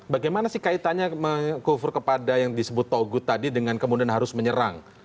bagaimana sih kaitannya mengkufur kepada yang disebut togut tadi dengan kemudian harus menyerang